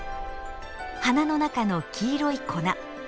花の中の黄色い粉。